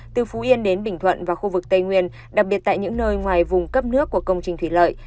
từ phú yên đến bình thuận và khu vực tây nguyên đặc biệt tại những nơi ngoài vùng cấp nước của công trình thủy lợi